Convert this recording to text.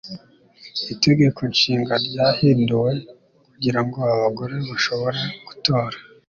Itegeko Nshinga ryahinduwe kugira ngo abagore bashobore gutora